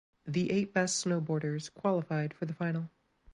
The eight best snowboarders qualified for the final.